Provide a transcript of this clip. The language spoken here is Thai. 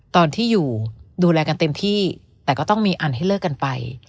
ตอนที่อยู่ดูแลกันเต็มที่แต่ก็ต้องมีอันให้เลิกกันไป